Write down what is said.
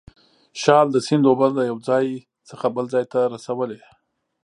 شال د سیند اوبه د یو ځای څخه بل ځای ته رسولې.